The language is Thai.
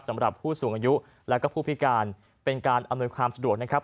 สำหรับผู้สูงอายุและก็ผู้พิการเป็นการอำนวยความสะดวกนะครับ